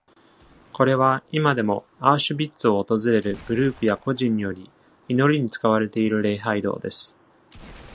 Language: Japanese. これは、今でも、アウシュビッツを訪れるグループや個人により祈りに使われている礼拝堂です。